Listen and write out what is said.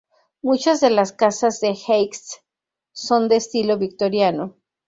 Muchas de las casas del Heights son de estilo victoriano.